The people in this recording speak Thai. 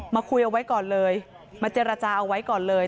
คุยเอาไว้ก่อนเลยมาเจรจาเอาไว้ก่อนเลย